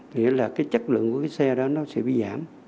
nghĩa là chất lượng của chiếc xe đó sẽ bị giảm